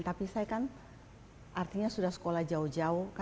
tapi saya kan artinya sudah sekolah jauh jauh